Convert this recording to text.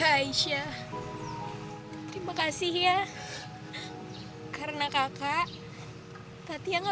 aisyah menitipkan ini buat lo